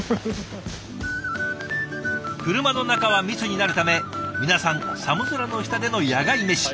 車の中は密になるため皆さん寒空の下での野外メシ。